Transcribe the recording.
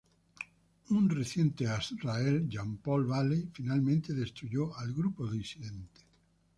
Un reciente Azrael, Jean-Paul Valley, finalmente destruyó al grupo disidente.